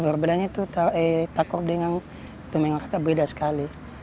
perbedaannya adalah sepak takraw dan pemain raga berbeda sekali